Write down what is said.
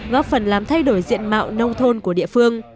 góp phần làm thay đổi diện mạo nông thôn của địa phương